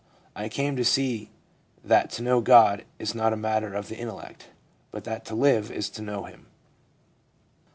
I came to see that to know God is not a matter of the intellect, but that to live is to know Him/ M.